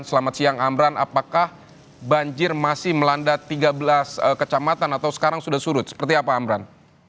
selamat siang amran apakah banjir masih melanda tiga belas kecamatan atau sekarang sudah surut seperti apa amran